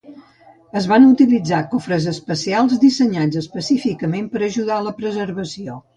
Es van utilitzar cofres especials, dissenyats específicament per ajudar a la preservació.